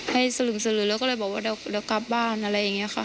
ให้สลึมสลือแล้วก็เลยบอกว่าเดี๋ยวกลับบ้านอะไรอย่างนี้ค่ะ